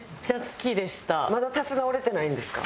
まだ立ち直れてないんですか？